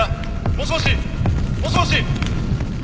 もしもし？もしもし？